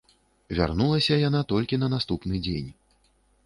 Вярнулася яна толькі на наступны дзень.